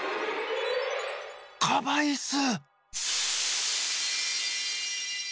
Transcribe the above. カバイス！